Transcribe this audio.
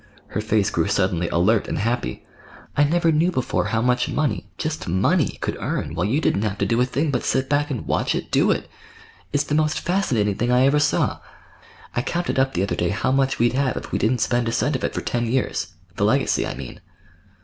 Her face grew suddenly alert and happy. "I never knew before how much money, just money, could earn, while you didn't have to do a thing but sit back and watch it do it. It's the most fascinating thing I ever saw. I counted up the other day how much we'd have if we didn't spend a cent of it for ten years—the legacy, I mean."